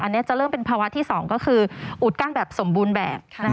อันนี้จะเริ่มเป็นภาวะที่๒ก็คืออุดกั้นแบบสมบูรณ์แบบ